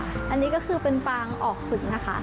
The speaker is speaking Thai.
อันนี้ก็คือเป็นปางออกศึกนะคะ